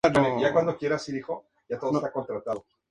Cassie invita a Ralph a la ceremonia.